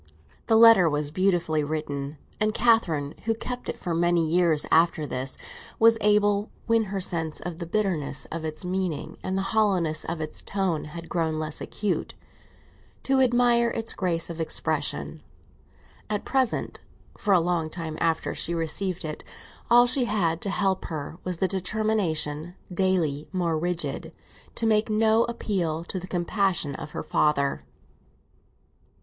The letter was beautifully written, and Catherine, who kept it for many years after this, was able, when her sense of the bitterness of its meaning and the hollowness of its tone had grown less acute, to admire its grace of expression. At present, for a long time after she received it, all she had to help her was the determination, daily more rigid, to make no appeal to the compassion of her father.